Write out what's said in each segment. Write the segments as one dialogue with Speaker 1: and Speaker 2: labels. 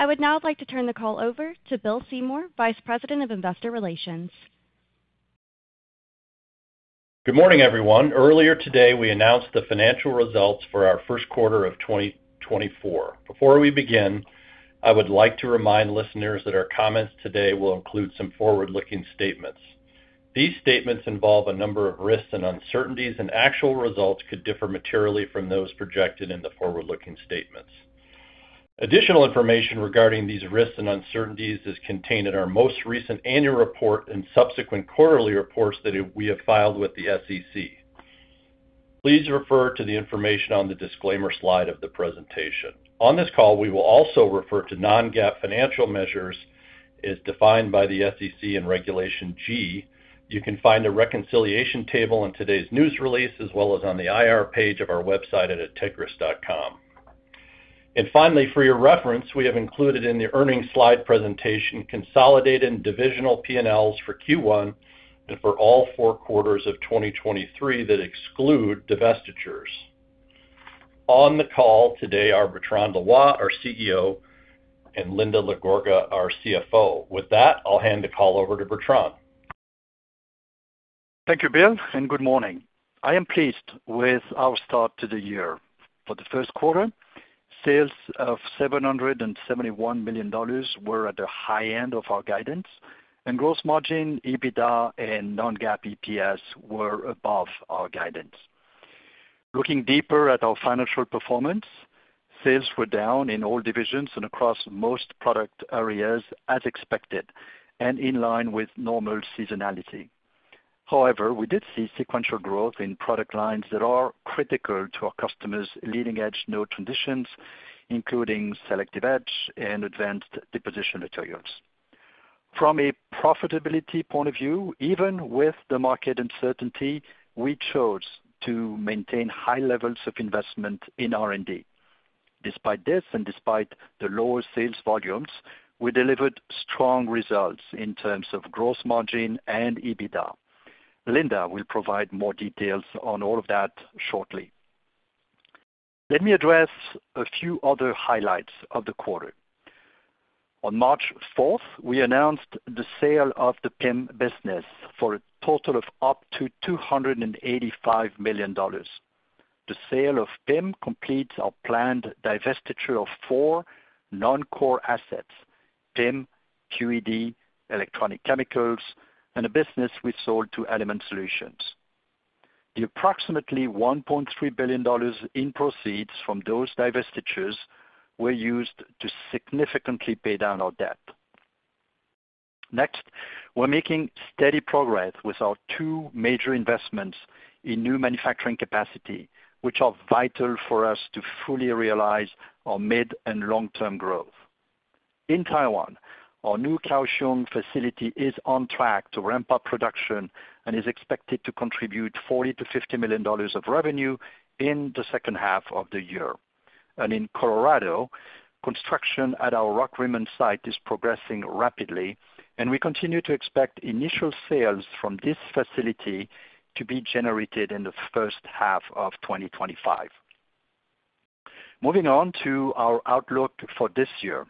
Speaker 1: I would now like to turn the call over to Bill Seymour, Vice President of Investor Relations.
Speaker 2: Good morning, everyone. Earlier today, we announced the financial results for our first quarter of 2024. Before we begin, I would like to remind listeners that our comments today will include some forward-looking statements. These statements involve a number of risks and uncertainties, and actual results could differ materially from those projected in the forward-looking statements. Additional information regarding these risks and uncertainties is contained in our most recent annual report and subsequent quarterly reports that we have filed with the SEC. Please refer to the information on the disclaimer slide of the presentation. On this call, we will also refer to non-GAAP financial measures as defined by the SEC and Regulation G. You can find a reconciliation table in today's news release, as well as on the IR page of our website at entegris.com. Finally, for your reference, we have included in the earnings slide presentation consolidated and divisional P&Ls for Q1 and for all four quarters of 2023 that exclude divestitures. On the call today are Bertrand Loy, our CEO, and Linda LaGorga, our CFO. With that, I'll hand the call over to Bertrand.
Speaker 3: Thank you, Bill, and good morning. I am pleased with our start to the year. For the first quarter, sales of $771 million were at the high end of our guidance, and gross margin, EBITDA and non-GAAP EPS were above our guidance. Looking deeper at our financial performance, sales were down in all divisions and across most product areas, as expected, and in line with normal seasonality. However, we did see sequential growth in product lines that are critical to our customers' leading-edge node transitions, including selective etch and advanced deposition materials. From a profitability point of view, even with the market uncertainty, we chose to maintain high levels of investment in R&D. Despite this, and despite the lower sales volumes, we delivered strong results in terms of gross margin and EBITDA. Linda will provide more details on all of that shortly. Let me address a few other highlights of the quarter. On March 4th, we announced the sale of the PIM business for a total of up to $285 million. The sale of PIM completes our planned divestiture of four non-core assets, PIM, QED, Electronic Chemicals, and a business we sold to Element Solutions. The approximately $1.3 billion in proceeds from those divestitures were used to significantly pay down our debt. Next, we're making steady progress with our two major investments in new manufacturing capacity, which are vital for us to fully realize our mid and long-term growth. In Taiwan, our new Kaohsiung facility is on track to ramp up production and is expected to contribute $40 million-$50 million of revenue in the second half of the year. In Colorado, construction at our Rockrimmon site is progressing rapidly, and we continue to expect initial sales from this facility to be generated in the first half of 2025. Moving on to our outlook for this year.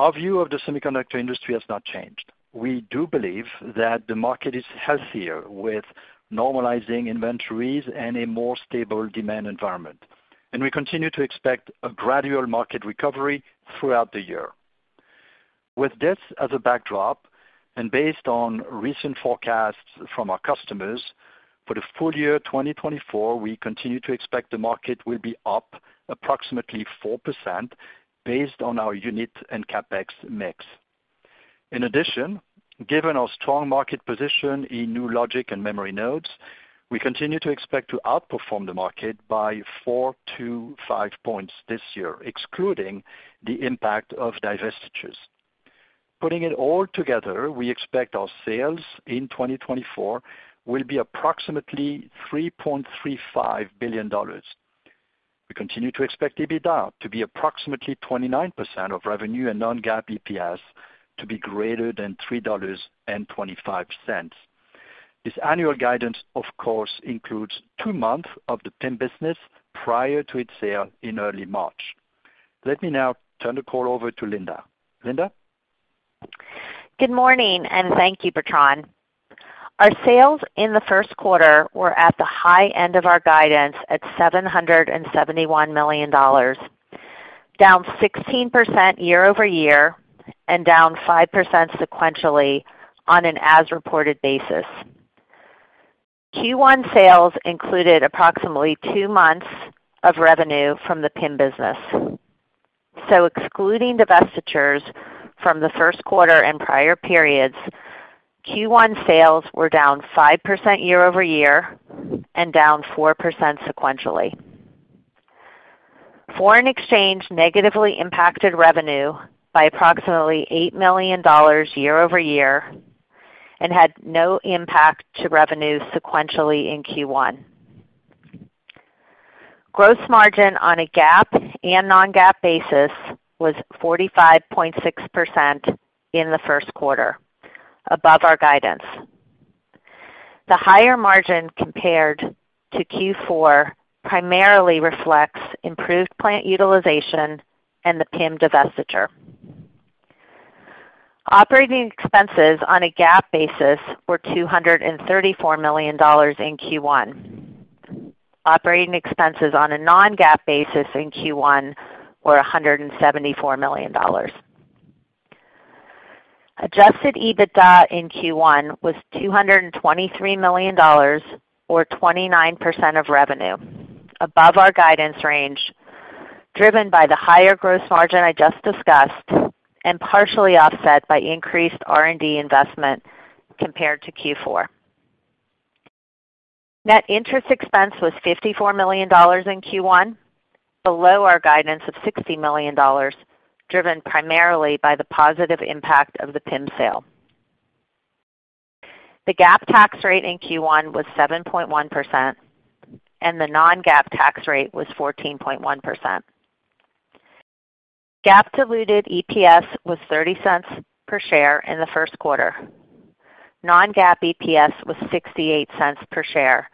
Speaker 3: Our view of the semiconductor industry has not changed. We do believe that the market is healthier, with normalizing inventories and a more stable demand environment, and we continue to expect a gradual market recovery throughout the year. With this as a backdrop, and based on recent forecasts from our customers, for the full year 2024, we continue to expect the market will be up approximately 4% based on our unit and CapEx mix. In addition, given our strong market position in new logic and memory nodes, we continue to expect to outperform the market by 4-5 points this year, excluding the impact of divestitures. Putting it all together, we expect our sales in 2024 will be approximately $3.35 billion. We continue to expect EBITDA to be approximately 29% of revenue and non-GAAP EPS to be greater than $3.25. This annual guidance, of course, includes two months of the PIM business prior to its sale in early March. Let me now turn the call over to Linda. Linda?
Speaker 4: Good morning, and thank you, Bertrand. Our sales in the first quarter were at the high end of our guidance at $771 million, down 16% year-over-year and down 5% sequentially on an as-reported basis. Q1 sales included approximately two months of revenue from the PIM business. So excluding divestitures from the first quarter and prior periods, Q1 sales were down 5% year-over-year and down 4% sequentially. Foreign exchange negatively impacted revenue by approximately $8 million year-over-year and had no impact to revenue sequentially in Q1. Gross margin on a GAAP and non-GAAP basis was 45.6% in the first quarter, above our guidance. The higher margin compared to Q4 primarily reflects improved plant utilization and the PIM divestiture. Operating expenses on a GAAP basis were $234 million in Q1. Operating expenses on a non-GAAP basis in Q1 were $174 million. Adjusted EBITDA in Q1 was $223 million or 29% of revenue, above our guidance range, driven by the higher gross margin I just discussed, and partially offset by increased R&D investment compared to Q4. Net interest expense was $54 million in Q1, below our guidance of $60 million, driven primarily by the positive impact of the PIM sale. The GAAP tax rate in Q1 was 7.1%, and the non-GAAP tax rate was 14.1%. GAAP diluted EPS was $0.30 per share in the first quarter. Non-GAAP EPS was $0.68 per share,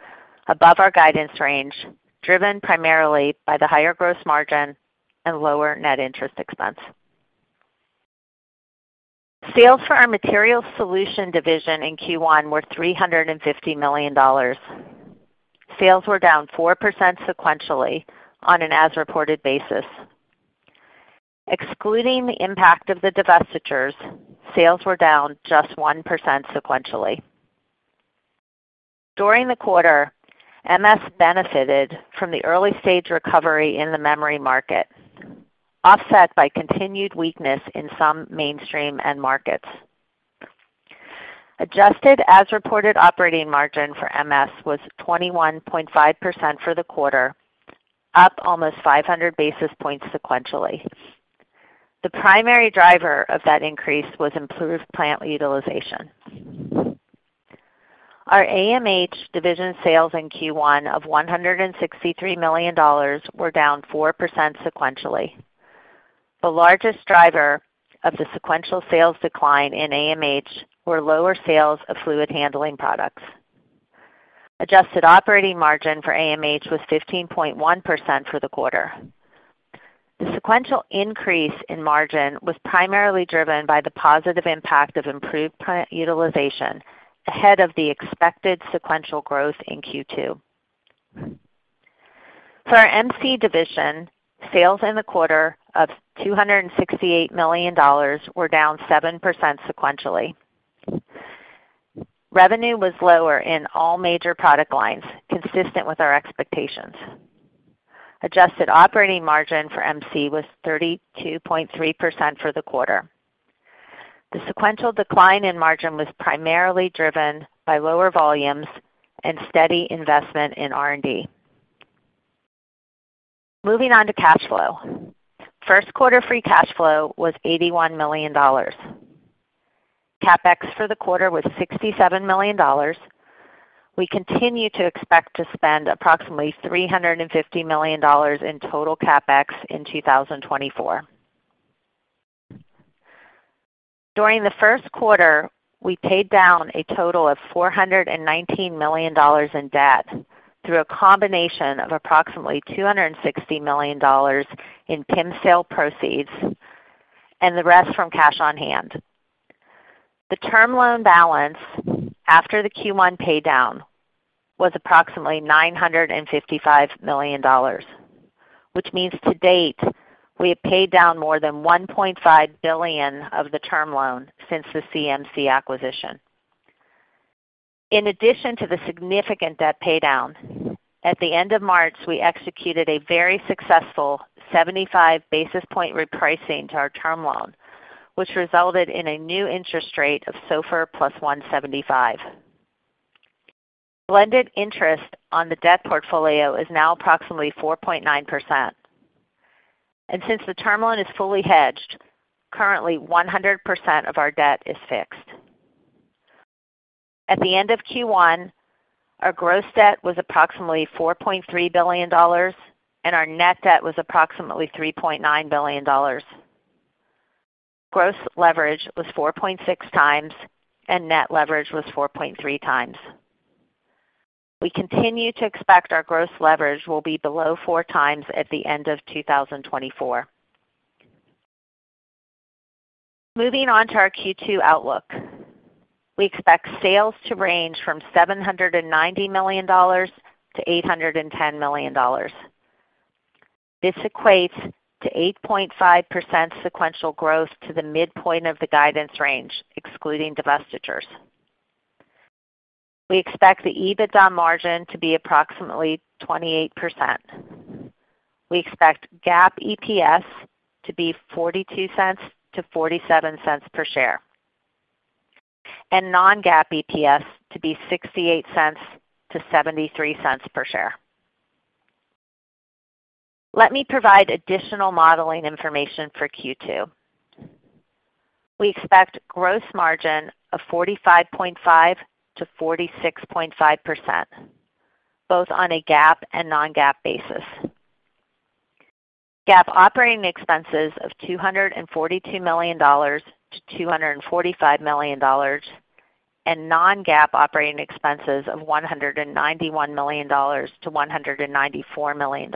Speaker 4: above our guidance range, driven primarily by the higher gross margin and lower net interest expense. Sales for our Material Solutions division in Q1 were $350 million. Sales were down 4% sequentially on an as-reported basis. Excluding the impact of the divestitures, sales were down just 1% sequentially. During the quarter, MS benefited from the early-stage recovery in the memory market, offset by continued weakness in some mainstream end markets. Adjusted as-reported operating margin for MS was 21.5% for the quarter, up almost 500 basis points sequentially. The primary driver of that increase was improved plant utilization. Our AMH division sales in Q1 of $163 million were down 4% sequentially. The largest driver of the sequential sales decline in AMH were lower sales of fluid handling products. Adjusted operating margin for AMH was 15.1% for the quarter. The sequential increase in margin was primarily driven by the positive impact of improved plant utilization ahead of the expected sequential growth in Q2. For our MC division, sales in the quarter of $268 million were down 7% sequentially. Revenue was lower in all major product lines, consistent with our expectations. Adjusted operating margin for MC was 32.3% for the quarter. The sequential decline in margin was primarily driven by lower volumes and steady investment in R&D. Moving on to cash flow. First quarter free cash flow was $81 million. CapEx for the quarter was $67 million. We continue to expect to spend approximately $350 million in total CapEx in 2024. During the first quarter, we paid down a total of $419 million in debt through a combination of approximately $260 million in PIM sale proceeds and the rest from cash on hand. The term loan balance after the Q1 paydown was approximately $955 million, which means to date, we have paid down more than $1.5 billion of the term loan since the CMC acquisition. In addition to the significant debt paydown, at the end of March, we executed a very successful 75 basis point repricing to our term loan, which resulted in a new interest rate of SOFR plus 175. Blended interest on the debt portfolio is now approximately 4.9%, and since the term loan is fully hedged, currently 100% of our debt is fixed. At the end of Q1, our gross debt was approximately $4.3 billion, and our net debt was approximately $3.9 billion. Gross leverage was 4.6x, and net leverage was 4.3x. We continue to expect our gross leverage will be below 4x at the end of 2024. Moving on to our Q2 outlook. We expect sales to range from $790 million-$810 million. This equates to 8.5% sequential growth to the midpoint of the guidance range, excluding divestitures. We expect the EBITDA margin to be approximately 28%. We expect GAAP EPS to be $0.42-$0.47 per share, and non-GAAP EPS to be $0.68-$0.73 per share. Let me provide additional modeling information for Q2. We expect gross margin of 45.5%-46.5%, both on a GAAP and non-GAAP basis. GAAP operating expenses of $242 million-$245 million, and non-GAAP operating expenses of $191 million-$194 million.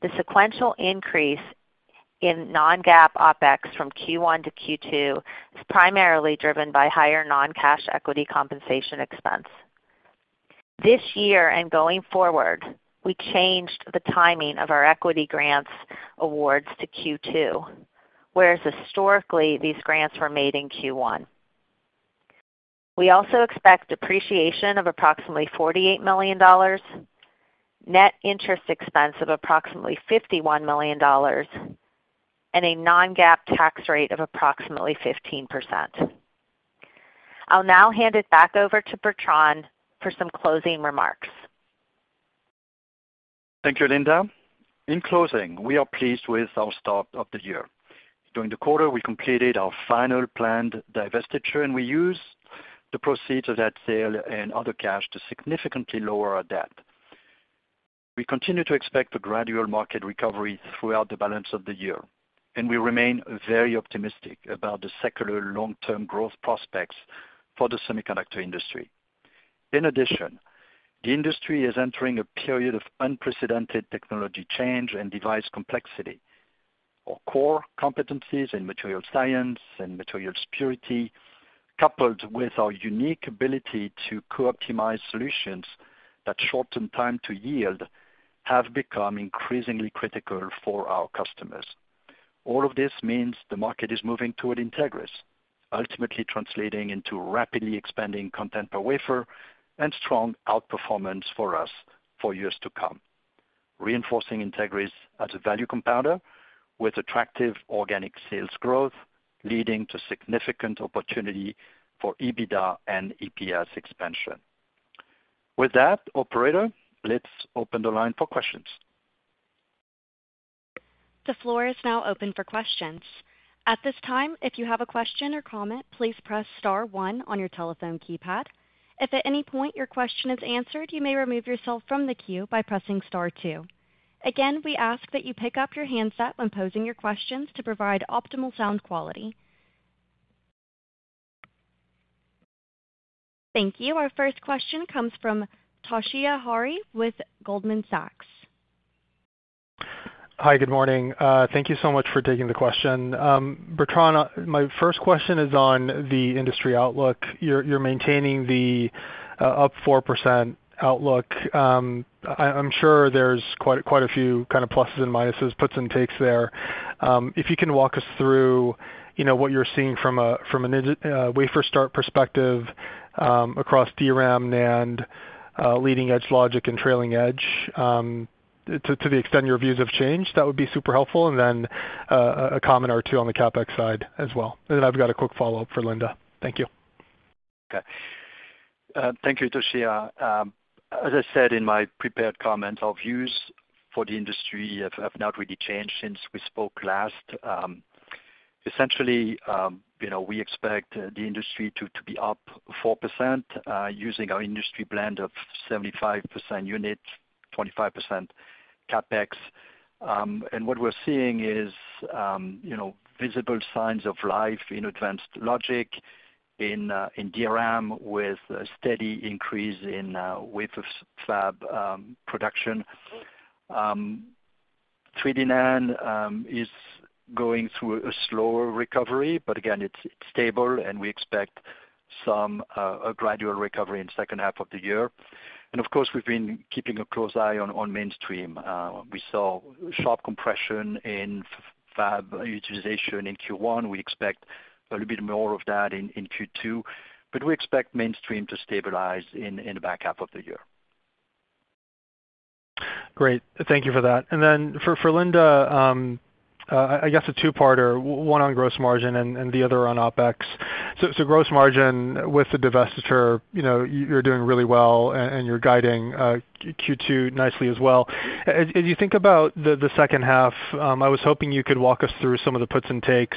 Speaker 4: The sequential increase in non-GAAP OpEx from Q1 to Q2 is primarily driven by higher non-cash equity compensation expense. This year, and going forward, we changed the timing of our equity grants awards to Q2, whereas historically, these grants were made in Q1. We also expect depreciation of approximately $48 million, net interest expense of approximately $51 million, and a non-GAAP tax rate of approximately 15%. I'll now hand it back over to Bertrand for some closing remarks.
Speaker 3: Thank you, Linda. In closing, we are pleased with our start of the year. During the quarter, we completed our final planned divestiture, and we use the proceeds of that sale and other cash to significantly lower our debt. We continue to expect a gradual market recovery throughout the balance of the year, and we remain very optimistic about the secular long-term growth prospects for the semiconductor industry. In addition, the industry is entering a period of unprecedented technology change and device complexity. Our core competencies in material science and material purity, coupled with our unique ability to co-optimize solutions that shorten time to yield, have become increasingly critical for our customers. All of this means the market is moving toward Entegris, ultimately translating into rapidly expanding content per wafer and strong outperformance for us for years to come, reinforcing Entegris as a value compounder with attractive organic sales growth, leading to significant opportunity for EBITDA and EPS expansion. With that, operator, let's open the line for questions.
Speaker 1: The floor is now open for questions. At this time, if you have a question or comment, please press star one on your telephone keypad. If at any point your question is answered, you may remove yourself from the queue by pressing star two. Again, we ask that you pick up your handset when posing your questions to provide optimal sound quality. Thank you. Our first question comes from Toshiya Hari with Goldman Sachs.
Speaker 5: Hi, good morning. Thank you so much for taking the question. Bertrand, my first question is on the industry outlook. You're, you're maintaining the up 4% outlook. I'm sure there's quite, quite a few kind of pluses and minuses, puts and takes there. If you can walk us through, you know, what you're seeing from a, from an wafer start perspective, across DRAM, NAND, leading-edge logic and trailing edge, to, to the extent your views have changed, that would be super helpful. And then a comment or two on the CapEx side as well. And then I've got a quick follow-up for Linda. Thank you.
Speaker 3: Okay. Thank you, Toshiya. As I said in my prepared comments, our views for the industry have, have not really changed since we spoke last. Essentially, you know, we expect the industry to, to be up 4%, using our industry blend of 75% unit, 25% CapEx. And what we're seeing is, you know, visible signs of life in advanced logic, in, in DRAM, with a steady increase in, wafer fab, production. 3D NAND is going through a slower recovery, but again, it's stable, and we expect some, a gradual recovery in second half of the year. And of course, we've been keeping a close eye on, on mainstream. We saw sharp compression in fab utilization in Q1. We expect a little bit more of that in Q2, but we expect mainstream to stabilize in the back half of the year.
Speaker 5: Great. Thank you for that. And then for Linda, I guess a two-parter, one on gross margin and the other on OpEx. So gross margin with the divestiture, you know, you're doing really well, and you're guiding Q2 nicely as well. As you think about the second half, I was hoping you could walk us through some of the puts and takes.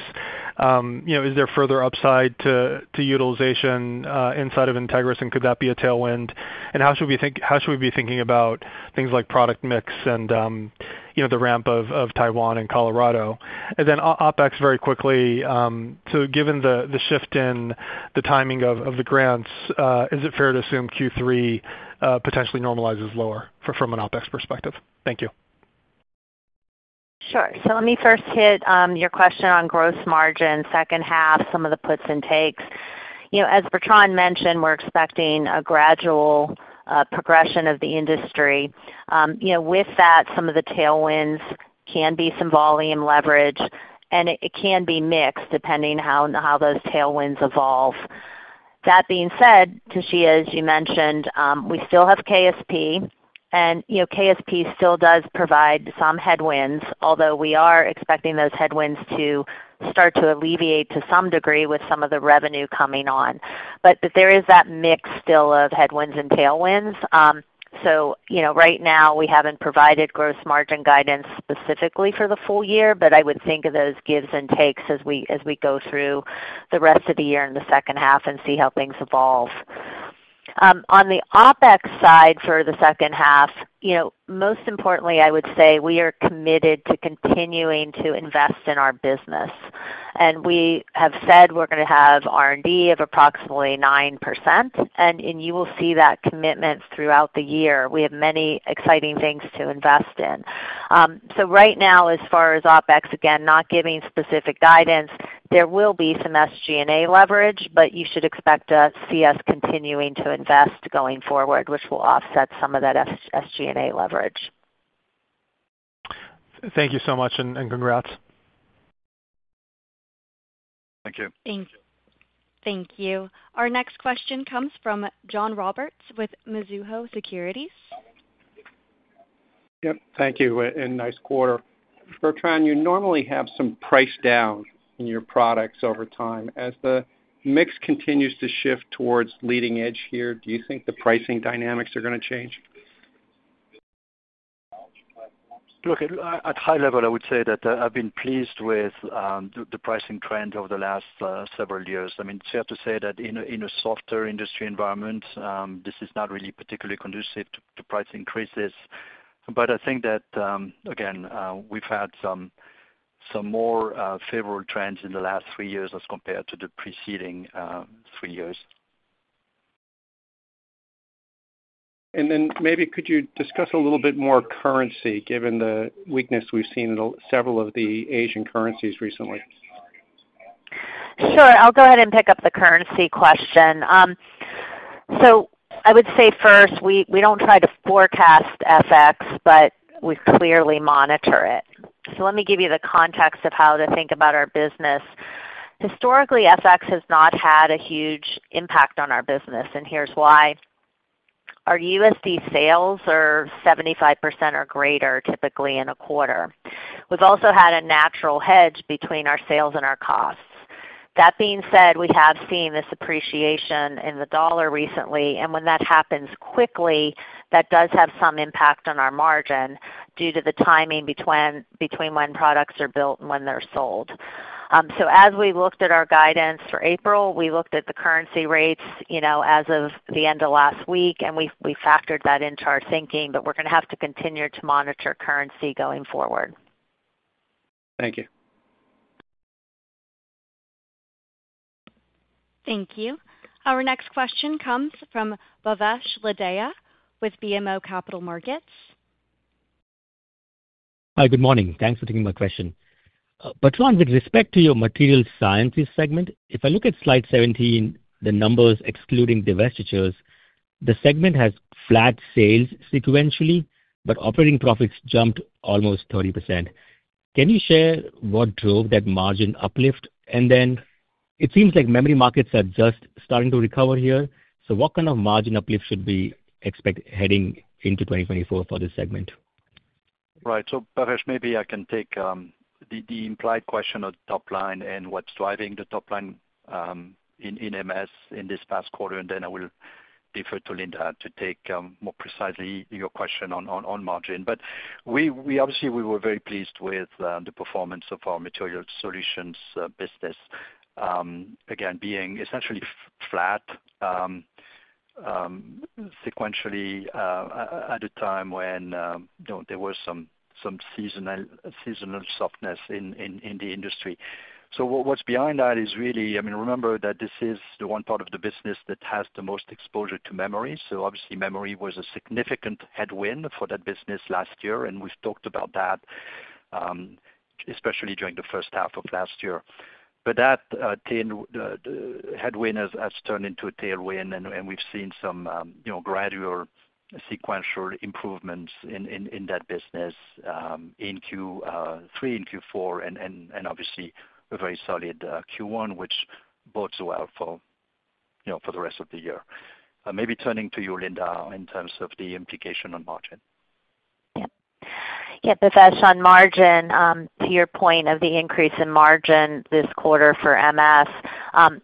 Speaker 5: You know, is there further upside to utilization inside of Entegris, and could that be a tailwind? And how should we be thinking about things like product mix and, you know, the ramp of Taiwan and Colorado? And then OpEx, very quickly, so given the shift in the timing of the grants, is it fair to assume Q3 potentially normalizes lower from an OpEx perspective? Thank you.
Speaker 4: Sure. So let me first hit your question on gross margin, second half, some of the puts and takes. You know, as Bertrand mentioned, we're expecting a gradual progression of the industry. You know, with that, some of the tailwinds can be some volume leverage, and it, it can be mixed, depending how, how those tailwinds evolve. That being said, Toshiya, as you mentioned, we still have KSP, and, you know, KSP still does provide some headwinds, although we are expecting those headwinds to start to alleviate to some degree with some of the revenue coming on. But, but there is that mix still of headwinds and tailwinds. So, you know, right now, we haven't provided gross margin guidance specifically for the full year, but I would think of those gives and takes as we go through the rest of the year in the second half and see how things evolve. On the OpEx side for the second half, you know, most importantly, I would say we are committed to continuing to invest in our business. And we have said we're gonna have R&D of approximately 9%, and you will see that commitment throughout the year. We have many exciting things to invest in. So right now, as far as OpEx, again, not giving specific guidance, there will be some SG&A leverage, but you should expect to see us continuing to invest going forward, which will offset some of that SG&A leverage.
Speaker 5: Thank you so much, and congrats.
Speaker 3: Thank you.
Speaker 1: Thank you. Our next question comes from John Roberts with Mizuho Securities.
Speaker 6: Yep, thank you, and nice quarter. Bertrand, you normally have some price down in your products over time. As the mix continues to shift towards leading edge here, do you think the pricing dynamics are gonna change?
Speaker 3: Look, at high level, I would say that I've been pleased with the pricing trend over the last several years. I mean, it's fair to say that in a softer industry environment, this is not really particularly conducive to price increases. But I think that, again, we've had some more favorable trends in the last three years as compared to the preceding three years.
Speaker 6: And then maybe could you discuss a little bit more currency, given the weakness we've seen in several of the Asian currencies recently?
Speaker 4: Sure. I'll go ahead and pick up the currency question. So I would say first, we don't try to forecast FX, but we clearly monitor it. So let me give you the context of how to think about our business. Historically, FX has not had a huge impact on our business, and here's why: Our USD sales are 75% or greater, typically in a quarter. We've also had a natural hedge between our sales and our costs. That being said, we have seen this appreciation in the dollar recently, and when that happens quickly, that does have some impact on our margin due to the timing between when products are built and when they're sold. As we looked at our guidance for April, we looked at the currency rates, you know, as of the end of last week, and we factored that into our thinking, but we're gonna have to continue to monitor currency going forward.
Speaker 6: Thank you.
Speaker 1: Thank you. Our next question comes from Bhavesh Lodaya with BMO Capital Markets.
Speaker 7: Hi, good morning. Thanks for taking my question. Bertrand, with respect to your materials sciences segment, if I look at slide 17, the numbers excluding divestitures, the segment has flat sales sequentially, but operating profits jumped almost 30%. Can you share what drove that margin uplift? And then it seems like memory markets are just starting to recover here, so what kind of margin uplift should we expect heading into 2024 for this segment?
Speaker 3: Right. So Bhavesh, maybe I can take the implied question on top line and what's driving the top line in MS in this past quarter, and then I will defer to Linda to take more precisely your question on margin. But we obviously were very pleased with the performance of our Material Solutions business. Again, being essentially flat sequentially at a time when, you know, there was some seasonal softness in the industry. So what's behind that is really, I mean, remember that this is the one part of the business that has the most exposure to memory. So obviously, memory was a significant headwind for that business last year, and we've talked about that, especially during the first half of last year. But that headwind has turned into a tailwind, and we've seen some, you know, gradual sequential improvements in that business, in Q3 and Q4, and obviously a very solid Q1, which bodes well for, you know, for the rest of the year. Maybe turning to you, Linda, in terms of the implication on margin.
Speaker 4: Yeah. Yeah, Bhavesh, on margin, to your point of the increase in margin this quarter for MS,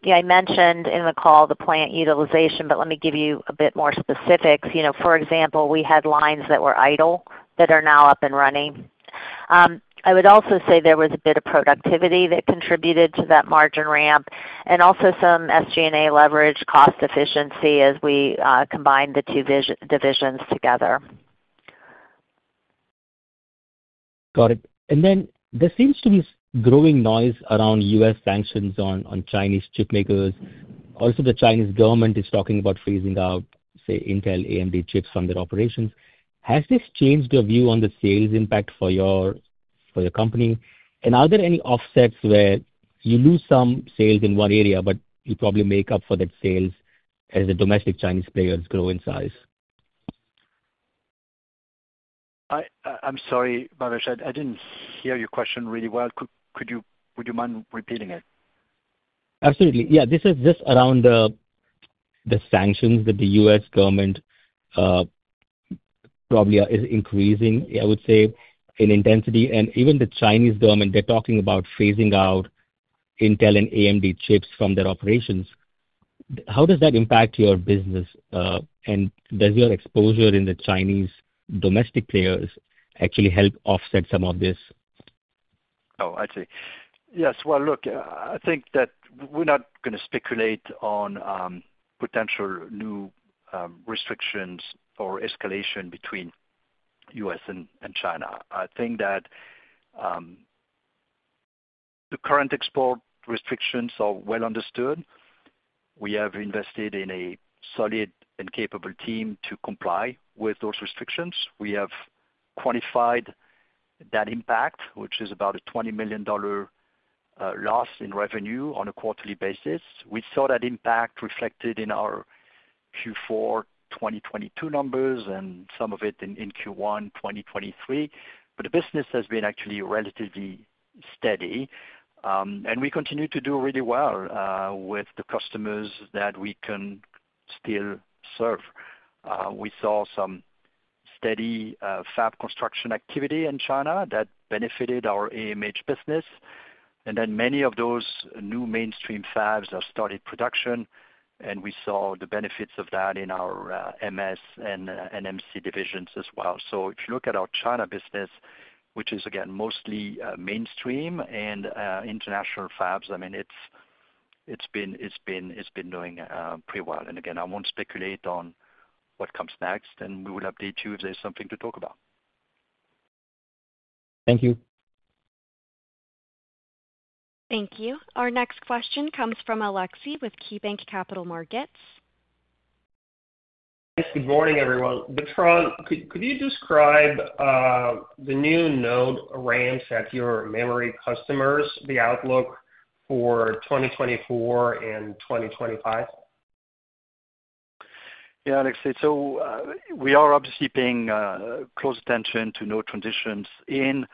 Speaker 4: yeah, I mentioned in the call the plant utilization, but let me give you a bit more specifics. You know, for example, we had lines that were idle that are now up and running. I would also say there was a bit of productivity that contributed to that margin ramp and also some SG&A leverage cost efficiency as we combined the two divisions together.
Speaker 7: Got it. Then there seems to be growing noise around U.S. sanctions on Chinese chipmakers. Also, the Chinese government is talking about phasing out, say, Intel, AMD chips from their operations. Has this changed your view on the sales impact for your company? Are there any offsets where you lose some sales in one area, but you probably make up for that sales as the domestic Chinese players grow in size?
Speaker 3: I'm sorry, Bhavesh. I didn't hear your question really well. Could you—would you mind repeating it?
Speaker 7: Absolutely. Yeah, this is just around the sanctions that the U.S. government probably is increasing, I would say, in intensity. And even the Chinese government, they're talking about phasing out Intel and AMD chips from their operations. How does that impact your business? And does your exposure in the Chinese domestic players actually help offset some of this?...
Speaker 3: Oh, I see. Yes, well, look, I think that we're not gonna speculate on potential new restrictions or escalation between U.S. and China. I think that the current export restrictions are well understood. We have invested in a solid and capable team to comply with those restrictions. We have quantified that impact, which is about a $20 million loss in revenue on a quarterly basis. We saw that impact reflected in our Q4 2022 numbers and some of it in Q1 2023. But the business has been actually relatively steady. And we continue to do really well with the customers that we can still serve. We saw some steady fab construction activity in China that benefited our AMH business. And then many of those new mainstream fabs have started production, and we saw the benefits of that in our MS and MC divisions as well. So if you look at our China business, which is, again, mostly mainstream and international fabs, I mean, it's been doing pretty well. And again, I won't speculate on what comes next, and we will update you if there's something to talk about.
Speaker 7: Thank you.
Speaker 1: Thank you. Our next question comes from Aleksey with KeyBanc Capital Markets.
Speaker 8: Good morning, everyone. Bertrand, could you describe the new node ramps at your memory customers, the outlook for 2024 and 2025?
Speaker 3: Yeah, Aleksey, so we are obviously paying close attention to node transitions in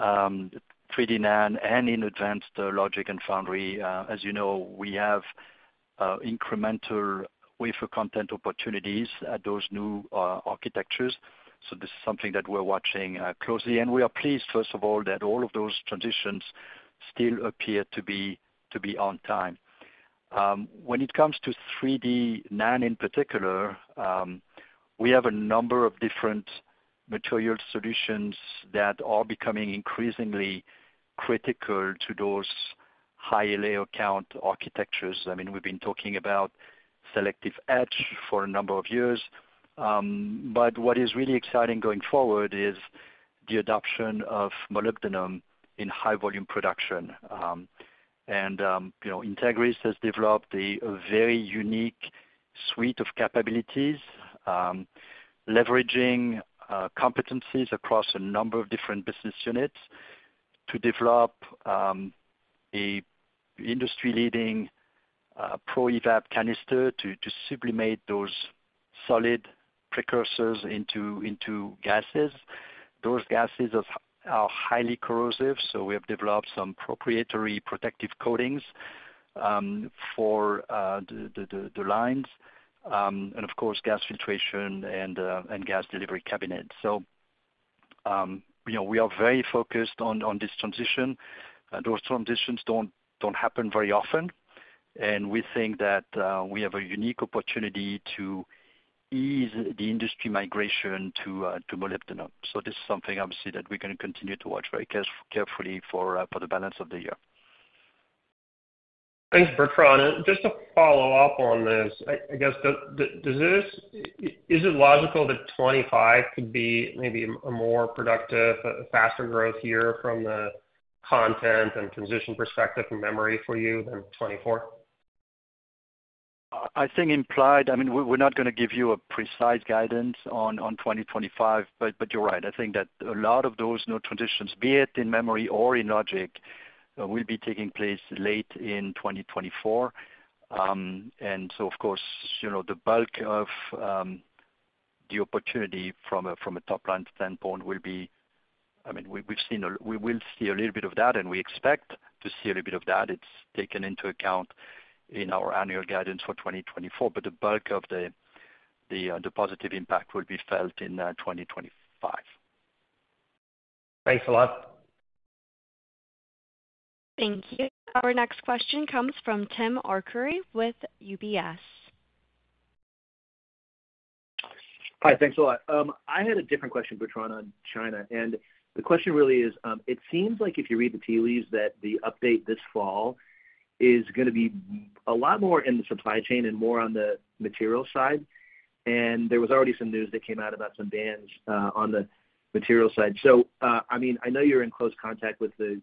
Speaker 3: 3D NAND and in advanced logic and foundry. As you know, we have incremental wafer content opportunities at those new architectures, so this is something that we're watching closely. And we are pleased, first of all, that all of those transitions still appear to be on time. When it comes to 3D NAND, in particular, we have a number of different Material Solutions that are becoming increasingly critical to those higher layer count architectures. I mean, we've been talking about selective etch for a number of years, but what is really exciting going forward is the adoption of molybdenum in high volume production. And, you know, Entegris has developed a very unique suite of capabilities, leveraging competencies across a number of different business units to develop an industry-leading Pro-Evap canister to sublimate those solid precursors into gases. Those gases are highly corrosive, so we have developed some proprietary protective coatings for the lines and of course, gas filtration and gas delivery cabinets. So, you know, we are very focused on this transition, and those transitions don't happen very often. And we think that we have a unique opportunity to ease the industry migration to molybdenum. So this is something obviously that we're gonna continue to watch very carefully for the balance of the year.
Speaker 8: Thanks, Bertrand. Just to follow up on this, I guess, is it logical that 2025 could be maybe a more productive, a faster growth year from the content and transition perspective and memory for you than 2024?
Speaker 3: I think implied, I mean, we're not gonna give you a precise guidance on 2025, but you're right. I think that a lot of those node transitions, be it in memory or in logic, will be taking place late in 2024. And so, of course, you know, the bulk of the opportunity from a top-line standpoint will be... I mean, we've seen we will see a little bit of that, and we expect to see a little bit of that. It's taken into account in our annual guidance for 2024, but the bulk of the positive impact will be felt in 2025.
Speaker 8: Thanks a lot.
Speaker 1: Thank you. Our next question comes from Tim Arcuri with UBS.
Speaker 9: Hi, thanks a lot. I had a different question, Bertrand, on China, and the question really is, it seems like if you read the tea leaves, that the update this fall is gonna be a lot more in the supply chain and more on the material side. And there was already some news that came out about some bans on the material side. So, I mean, I know you're in close contact with the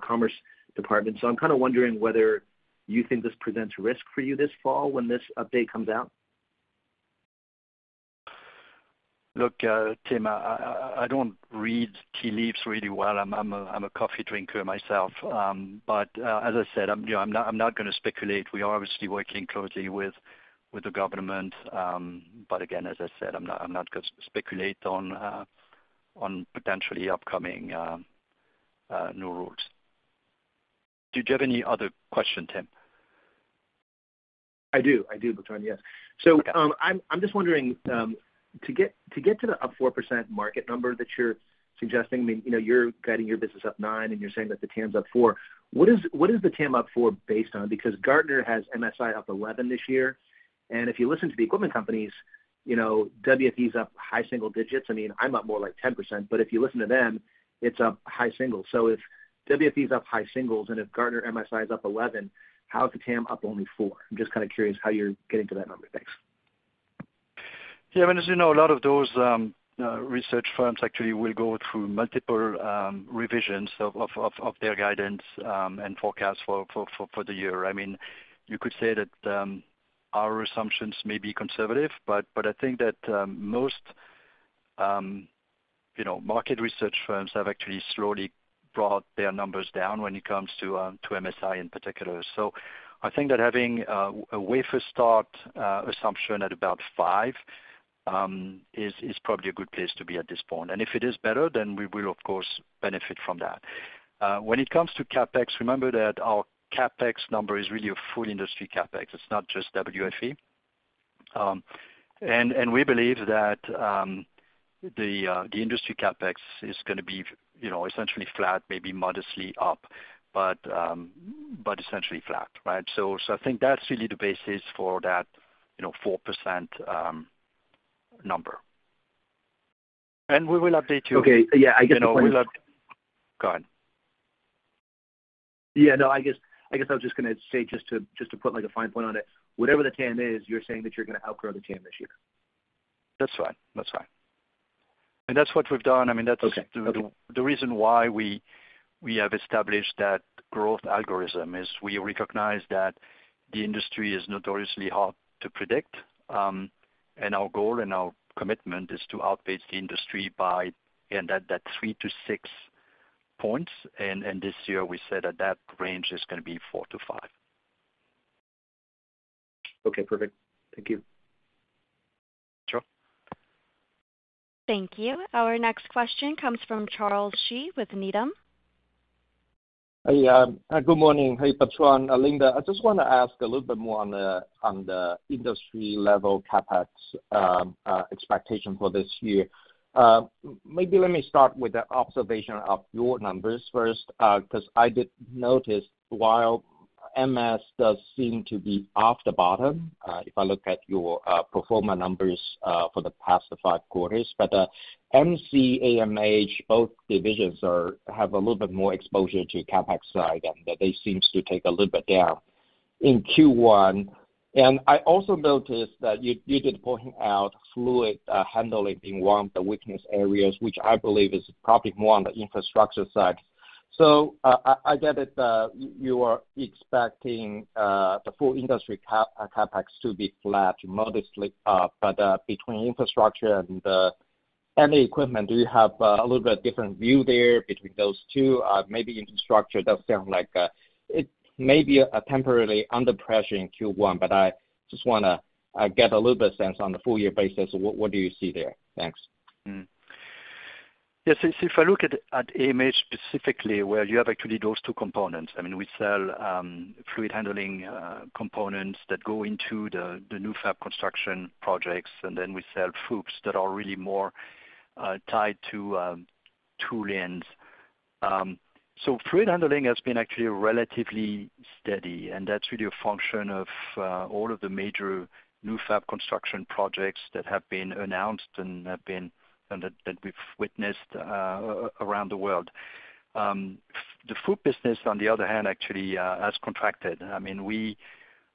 Speaker 9: commerce department, you know, so I'm kind of wondering whether you think this presents risk for you this fall when this update comes out.
Speaker 3: Look, Tim, I don't read tea leaves really well. I'm a coffee drinker myself. But as I said, you know, I'm not gonna speculate. We are obviously working closely with the government, but again, as I said, I'm not gonna speculate on potentially upcoming new rules. Do you have any other question, Tim?
Speaker 9: I do. I do, Bertrand, yes. So, I'm just wondering, to get to the up 4% market number that you're suggesting, I mean, you know, you're guiding your business up 9, and you're saying that the TAM's up 4%. What is the TAM up 4% based on? Because Gartner has MSI up 11% this year, and if you listen to the equipment companies. You know, WFE's up high single digits. I mean, I'm up more like 10%, but if you listen to them, it's up high single. So if WFE's up high singles and if Gartner MSI is up 11%, how is the TAM up only 4%? I'm just kind of curious how you're getting to that number. Thanks.
Speaker 3: Yeah, I mean, as you know, a lot of those research firms actually will go through multiple revisions of their guidance and forecasts for the year. I mean, you could say that our assumptions may be conservative, but I think that most, you know, market research firms have actually slowly brought their numbers down when it comes to MSI in particular. So I think that having a wafer start assumption at about 5% is probably a good place to be at this point. And if it is better, then we will of course benefit from that. When it comes to CapEx, remember that our CapEx number is really a full industry CapEx. It's not just WFE. We believe that the industry CapEx is gonna be, you know, essentially flat, maybe modestly up, but essentially flat, right? So I think that's really the basis for that, you know, 4% number. And we will update you.
Speaker 9: Okay, yeah, I guess-
Speaker 3: You know, go ahead.
Speaker 9: Yeah, no, I guess I was just gonna say, just to put like a fine point on it, whatever the TAM is, you're saying that you're gonna outgrow the TAM this year.
Speaker 3: That's right. That's right. That's what we've done. I mean, that's-
Speaker 9: Okay.
Speaker 3: The reason why we have established that growth algorithm is we recognize that the industry is notoriously hard to predict. And our goal and our commitment is to outpace the industry by and at that 3-6 points. And this year we said that that range is gonna be 4-5.
Speaker 9: Okay, perfect. Thank you.
Speaker 3: Sure.
Speaker 1: Thank you. Our next question comes from Charles Shi with Needham.
Speaker 10: Hey, good morning. Hey, Bertrand, Linda, I just want to ask a little bit more on the, on the industry level CapEx expectation for this year. Maybe let me start with the observation of your numbers first, because I did notice, while MS does seem to be off the bottom, if I look at your pro forma numbers for the past five quarters, but MC, AMH, both divisions are, have a little bit more exposure to CapEx side, and that they seems to take a little bit down in Q1. And I also noticed that you did point out fluid handling being one of the weakness areas, which I believe is probably more on the infrastructure side. So, I get it, you are expecting the full industry CapEx to be flat, modestly, but between infrastructure and the end equipment, do you have a little bit different view there between those two? Maybe infrastructure does sound like it may be temporarily under pressure in Q1, but I just wanna get a little bit of sense on the full year basis. What do you see there? Thanks.
Speaker 3: Hmm. Yes, if, if I look at, at AMH specifically, where you have actually those two components, I mean, we sell fluid handling components that go into the, the new fab construction projects, and then we sell FOUPs that are really more tied to tool ends. So fluid handling has been actually relatively steady, and that's really a function of all of the major new fab construction projects that have been announced and have been, and that, that we've witnessed around the world. The FOUP business, on the other hand, actually, has contracted. I mean, we,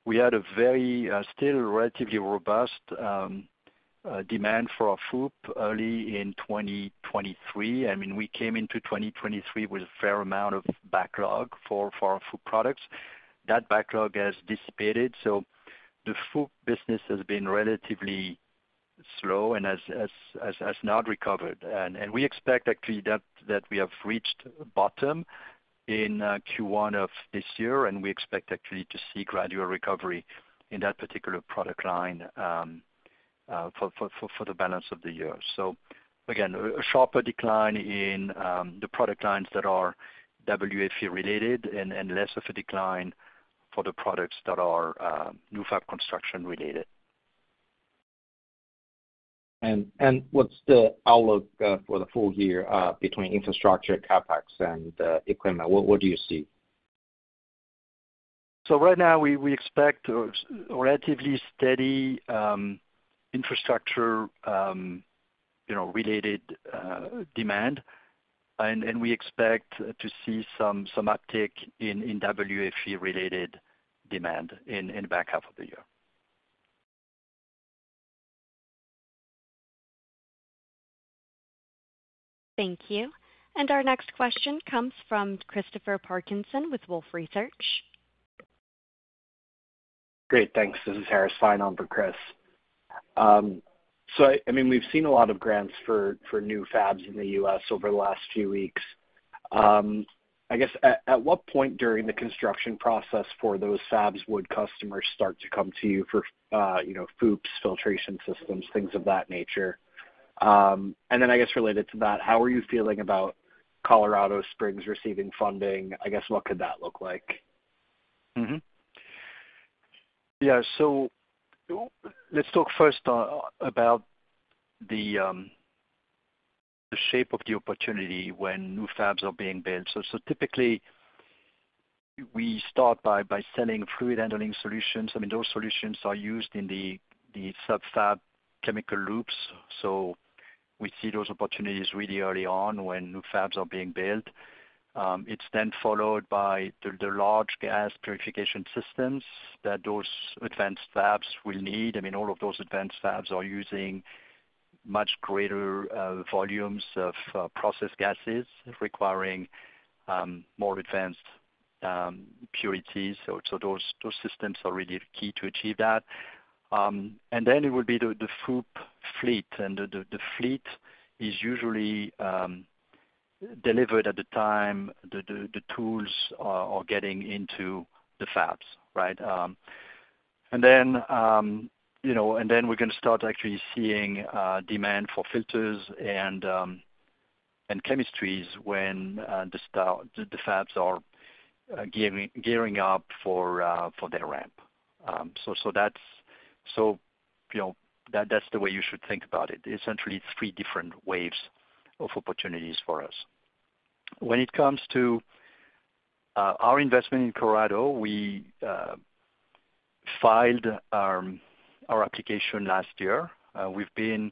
Speaker 3: we had a very still relatively robust demand for our FOUP early in 2023. I mean, we came into 2023 with a fair amount of backlog for, for our FOUP products. That backlog has dissipated, so the FOUP business has been relatively slow and has not recovered. We expect actually that we have reached bottom in Q1 of this year, and we expect actually to see gradual recovery in that particular product line for the balance of the year. So again, a sharper decline in the product lines that are WFE related and less of a decline for the products that are new fab construction related.
Speaker 10: And what's the outlook for the full year between infrastructure, CapEx and equipment? What do you see?
Speaker 3: So right now, we expect a relatively steady infrastructure, you know, related demand, and we expect to see some uptick in WFE-related demand in the back half of the year.
Speaker 1: Thank you. Our next question comes from Christopher Parkinson with Wolfe Research.
Speaker 11: Great, thanks. This is Harris Fein on for Chris. So, I mean, we've seen a lot of grants for, for new fabs in the U.S. over the last few weeks. I guess at, at what point during the construction process for those fabs would customers start to come to you for, you know, FOUPs, filtration systems, things of that nature? And then I guess related to that, how are you feeling about Colorado Springs receiving funding? I guess, what could that look like?
Speaker 3: Mm-hmm. Yeah, so let's talk first about the shape of the opportunity when new fabs are being built. So typically, we start by selling fluid handling solutions. I mean, those solutions are used in the sub-fab chemical loops, so we see those opportunities really early on when new fabs are being built. It's then followed by the large gas purification systems that those advanced fabs will need. I mean, all of those advanced fabs are using much greater volumes of processed gases, requiring more advanced purities. So those systems are really key to achieve that. And then it will be the FOUP fleet, and the fleet is usually delivered at the time the tools are getting into the fabs, right? And then, you know, and then we can start actually seeing demand for filters and chemistries when the fabs are gearing up for their ramp. So that's the way you should think about it, essentially three different waves of opportunities for us. When it comes to our investment in Colorado, we filed our application last year. We've been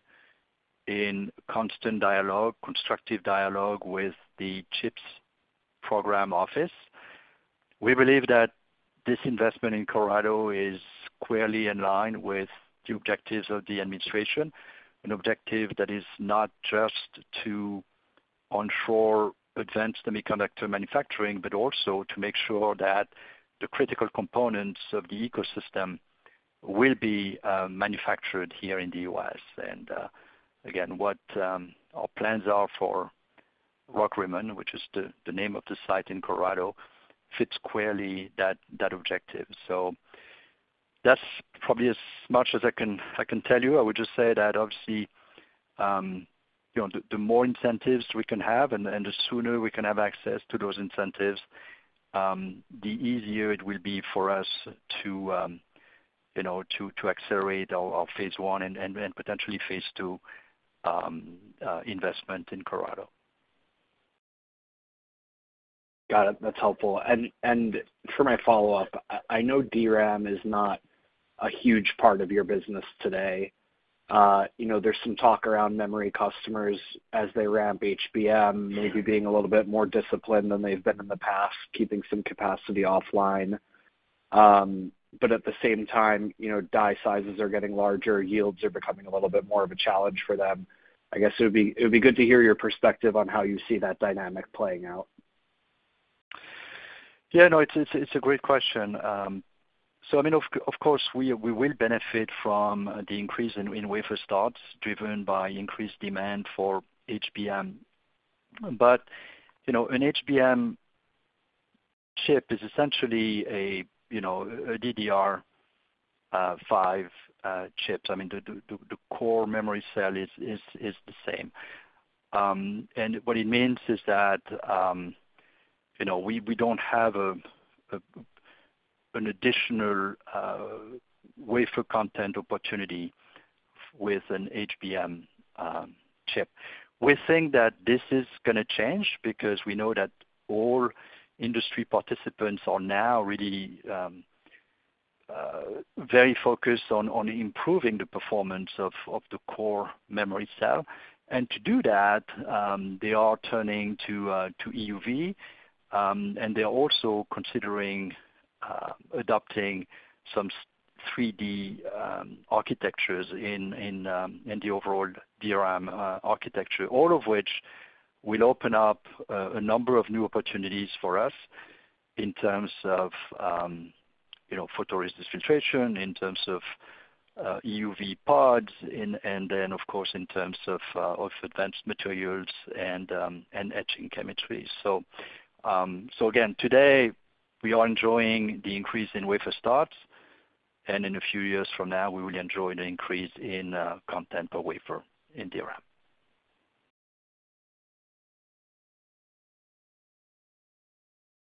Speaker 3: in constant dialogue, constructive dialogue with the CHIPS program office. We believe that this investment in Colorado is squarely in line with the objectives of the Administration, an objective that is not just to onshore advanced semiconductor manufacturing, but also to make sure that the critical components of the ecosystem will be manufactured here in the U.S. Again, our plans for Rockrimmon, which is the name of the site in Colorado, fits squarely that objective. So that's probably as much as I can tell you. I would just say that obviously, you know, the more incentives we can have, and the sooner we can have access to those incentives, the easier it will be for us to, you know, to accelerate our phase I and potentially phase II investment in Colorado.
Speaker 11: Got it. That's helpful. And for my follow-up, I know DRAM is not a huge part of your business today. You know, there's some talk around memory customers as they ramp HBM, maybe being a little bit more disciplined than they've been in the past, keeping some capacity offline. But at the same time, you know, die sizes are getting larger, yields are becoming a little bit more of a challenge for them. I guess it would be good to hear your perspective on how you see that dynamic playing out.
Speaker 3: Yeah, no, it's a great question. So I mean, of course, we will benefit from the increase in wafer starts, driven by increased demand for HBM. But, you know, an HBM chip is essentially a, you know, a DDR5 chips. I mean, the core memory cell is the same. And what it means is that, you know, we don't have an additional wafer content opportunity with an HBM chip. We think that this is gonna change, because we know that all industry participants are now really very focused on improving the performance of the core memory cell. And to do that, they are turning to EUV, and they're also considering adopting some 3D architectures in the overall DRAM architecture, all of which will open up a number of new opportunities for us in terms of, you know, photoresist filtration, in terms of EUV pods, and then, of course, in terms of advanced materials and etching chemistry. So again, today, we are enjoying the increase in wafer starts, and in a few years from now, we will enjoy the increase in content per wafer in DRAM.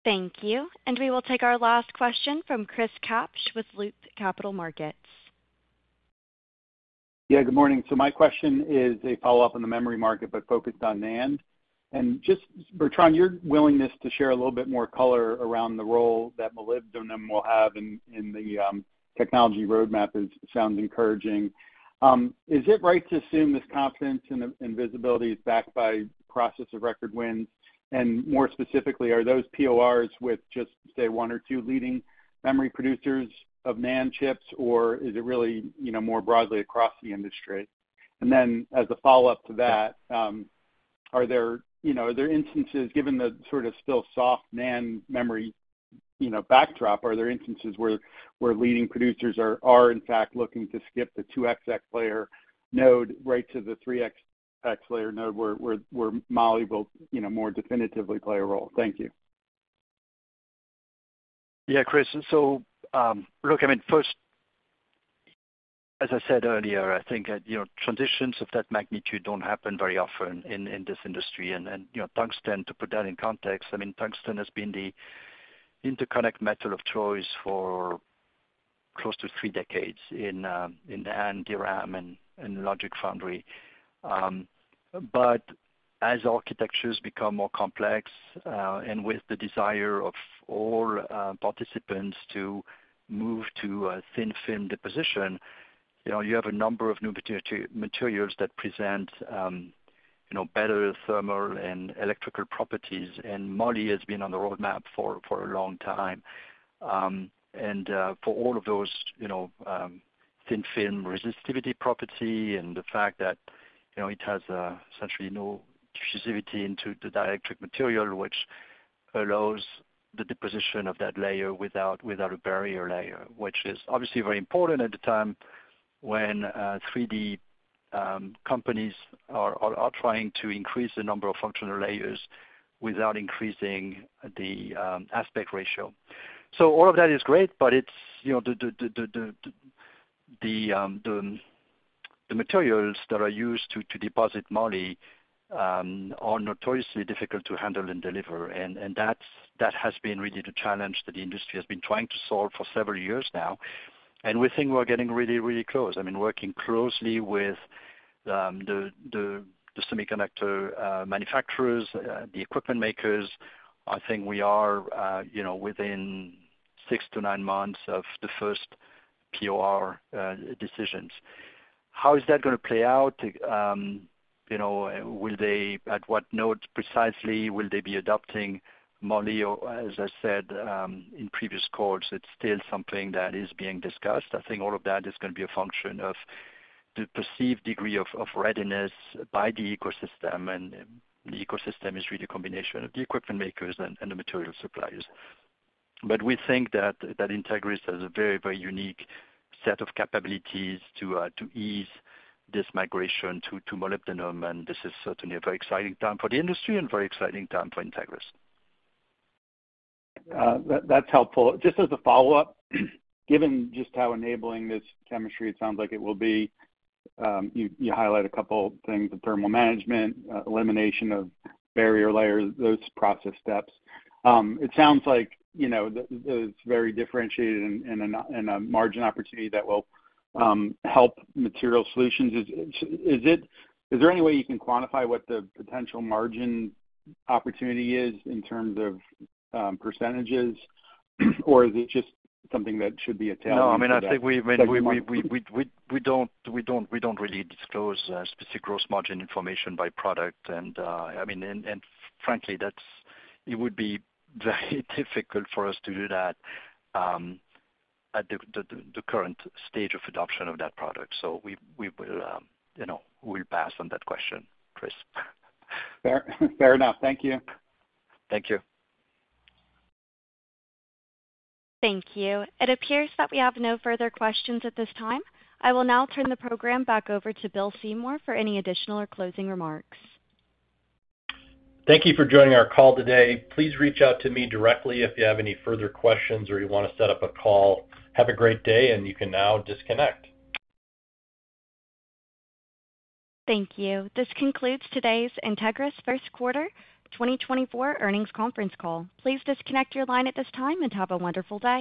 Speaker 1: Thank you. And we will take our last question from Chris Kapsch with Loop Capital Markets.
Speaker 12: Yeah, good morning. So my question is a follow-up on the memory market, but focused on NAND. And just, Bertrand, your willingness to share a little bit more color around the role that molybdenum will have in the technology roadmap sounds encouraging. Is it right to assume this confidence and visibility is backed by process of record wins? And more specifically, are those PORs with just, say, one or two leading memory producers of NAND chips, or is it really, you know, more broadly across the industry? And then, as a follow-up to that, are there, you know, instances, given the sort of still soft NAND memory, you know, backdrop, where leading producers are in fact looking to skip the 2XX layer node right to the 3XX layer node, where moly will, you know, more definitively play a role? Thank you.
Speaker 3: Yeah, Chris. So, look, I mean, first, as I said earlier, I think, you know, transitions of that magnitude don't happen very often in, in this industry. And, you know, tungsten, to put that in context, I mean, tungsten has been the interconnect metal of choice for close to three decades in, in the NAND, DRAM and logic foundry. But as architectures become more complex, and with the desire of all, participants to move to a thin film deposition, you know, you have a number of new materials that present, you know, better thermal and electrical properties, and moly has been on the roadmap for a long time. For all of those, you know, thin film resistivity property and the fact that, you know, it has essentially no diffusivity into the dielectric material, which allows the deposition of that layer without a barrier layer. Which is obviously very important at the time when 3D companies are trying to increase the number of functional layers without increasing the aspect ratio. So all of that is great, but it's, you know, the materials that are used to deposit moly are notoriously difficult to handle and deliver, and that's been really the challenge that the industry has been trying to solve for several years now. We think we're getting really, really close. I mean, working closely with the semiconductor manufacturers, the equipment makers, I think we are, you know, within six to nine months of the first POR decisions. How is that gonna play out? You know, will they at what node precisely will they be adopting moly? Or as I said, in previous calls, it's still something that is being discussed. I think all of that is gonna be a function of the perceived degree of readiness by the ecosystem, and the ecosystem is really a combination of the equipment makers and the material suppliers. But we think that Entegris has a very, very unique set of capabilities to ease this migration to molybdenum, and this is certainly a very exciting time for the industry and very exciting time for Entegris.
Speaker 12: That's helpful. Just as a follow-up, given just how enabling this chemistry it sounds like it will be, you highlight a couple things, the thermal management, elimination of barrier layers, those process steps. It sounds like, you know, it's very differentiated and a margin opportunity that will help Material Solutions. Is it - is there any way you can quantify what the potential margin opportunity is in terms of percentages? Or is it just something that should be left in for that?
Speaker 3: No, I mean, I think we, I mean, we don't really disclose specific gross margin information by product. And, I mean, frankly, that it would be very difficult for us to do that at the current stage of adoption of that product. So we will, you know, we'll pass on that question, Chris.
Speaker 12: Fair, fair enough. Thank you.
Speaker 3: Thank you.
Speaker 1: Thank you. It appears that we have no further questions at this time. I will now turn the program back over to Bill Seymour for any additional or closing remarks.
Speaker 2: Thank you for joining our call today. Please reach out to me directly if you have any further questions or you wanna set up a call. Have a great day, and you can now disconnect.
Speaker 1: Thank you. This concludes today's Entegris first quarter 2024 earnings conference call. Please disconnect your line at this time and have a wonderful day.